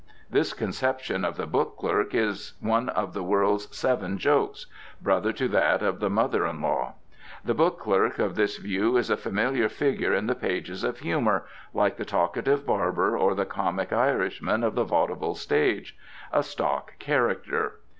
This conception of the book clerk is one of the world's seven jokes brother to that of the mother in law. The book clerk of this view is a familiar figure in the pages of humour, like the talkative barber or the comic Irishman of the vaudeville stage a stock character.